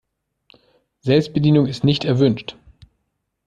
Selbstbedienung ist nicht erwünscht.